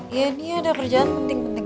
ya ini ada pekerjaan penting penting